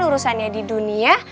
urusannya di dunia